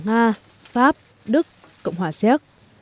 nga pháp đức cộng hòa xéc